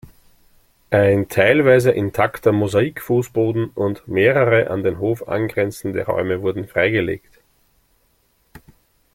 Ein teilweise intakter Mosaikfußboden und mehrere an den Hof angrenzende Räume wurden freigelegt.